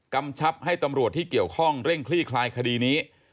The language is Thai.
กำชับให้ตำรวจที่เกี่ยวข้องเร่งคลี่คลายคดีนี้